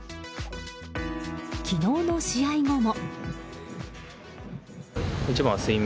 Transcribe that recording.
昨日の試合後も。